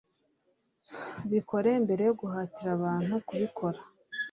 bikore mbere yo guhatira abantu kubikora